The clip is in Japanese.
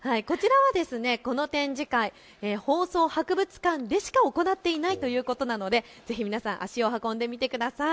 この展示会、放送博物館でしか行っていないということなのでぜひ皆さん足を運んでみてください。